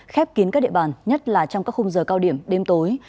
khép kín các địa bàn nhất là trong các khung giờ cao điểm đêm tối